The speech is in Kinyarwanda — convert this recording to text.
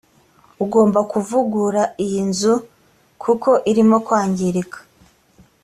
ugomba kuvugura iyi nzu kuko irimo kwangirika